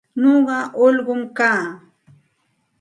Nuqa ullqum kaa.